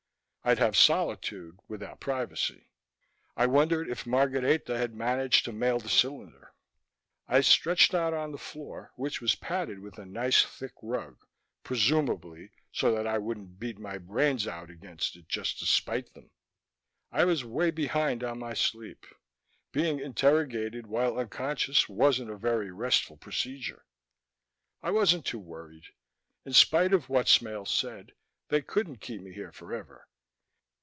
I'd have solitude without privacy. I wondered if Margareta had managed to mail the cylinder. I stretched out on the floor, which was padded with a nice thick rug, presumably so that I wouldn't beat my brains out against it just to spite them. I was way behind on my sleep: being interrogated while unconscious wasn't a very restful procedure. I wasn't too worried. In spite of what Smale said, they couldn't keep me here forever.